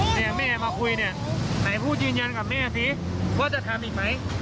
แม่มาคุยเนี่ยไหนพูดยืนยันกับแม่สิว่าจะทำอีกไหม